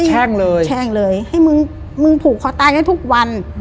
แช่งเลยแช่งเลยให้มึงมึงผูกคอตายให้ทุกวัน